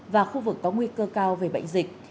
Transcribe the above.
và khu vực có nguy cơ cao về bệnh dịch